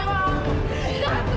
ampun terserah sekat